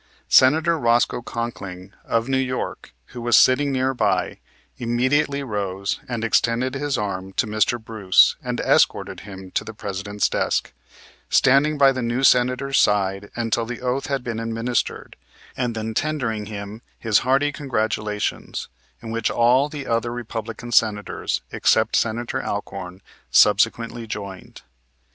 Senator Roscoe Conkling, of New York, who was sitting near by, immediately rose and extended his arm to Mr. Bruce and escorted him to the President's desk, standing by the new Senator's side until the oath had been administered, and then tendering him his hearty congratulations, in which all the other Republican Senators, except Senator Alcorn, subsequently joined.